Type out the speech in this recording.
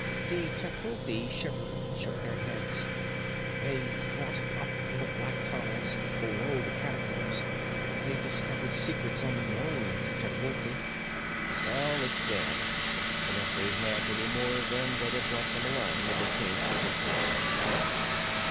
The Tecuhltli shivered and shook their heads. "They brought it up from the black tunnels below the catacombs. They discovered secrets unknown to Tecuhltli." "Well, it's dead, and if they'd had any more of them, they'd have brought them along when they came to Tecuhltli. Come on."